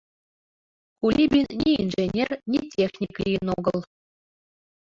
Кулибин ни инженер, ни техник лийын огыл.